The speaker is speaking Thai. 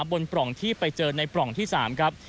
ปล่องที่ไปเจอในปล่องที่๓ครับ